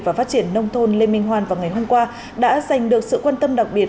và phát triển nông thôn lê minh hoan vào ngày hôm qua đã giành được sự quan tâm đặc biệt